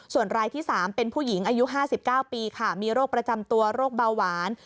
ส่วนรายที่๓เป็นผู้หญิงอายุ๕๙ปีค่ะมีโรคประจำตัวโรคเบาหวาน